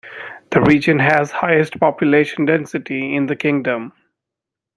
The region has the highest population density in the Kingdom.